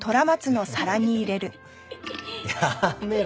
やめろ！